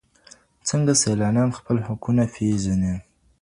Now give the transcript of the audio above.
څنګه سیلانیان خپل حقونه پیژني؟